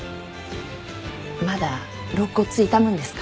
まだ肋骨痛むんですか？